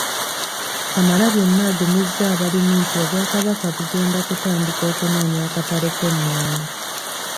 Kamalabyonna agumizza abalimi nti Obwakabaka bugenda kutandika okunoonya akatale ky’emmwanyi.